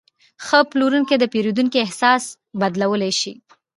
ښه پلورونکی د پیرودونکي احساس بدلولی شي.